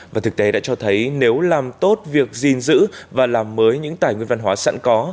và thực tế đã cho thấy nếu làm tốt việc gìn giữ và làm mới những tài nguyên văn hóa sẵn có